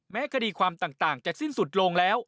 คดีความต่างจะสิ้นสุดลงแล้ว